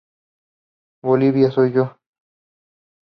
Bolívar soy yo!